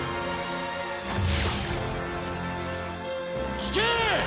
聞け！